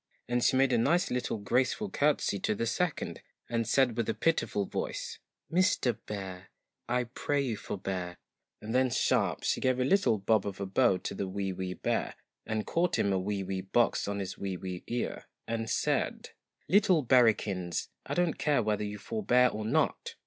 197 THE and she made a nice little graceful CURTSY to THREE the second, and said with a pitiful voice MISTER BEAR, I pray you FORBEAR i ' and then sharp she gave a little BOB OF A BOW to the WEE WEE BEAR, and caught him a WEE WEE BOX on his WEE WEE EAR, and said LITTLE BEARIKINS, I don't care whetheryou FORBEAR or not!'